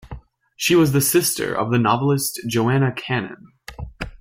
She was the sister of the novelist Joanna Cannan.